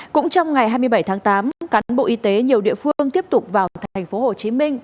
cũng trong ngày hai mươi bảy tháng tám cán bộ y tế nhiều địa phương tiếp tục vào thành phố hồ chí minh